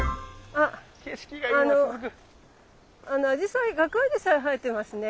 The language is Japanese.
あのアジサイガクアジサイ生えてますね。